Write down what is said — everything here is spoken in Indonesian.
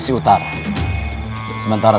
sudah siap semua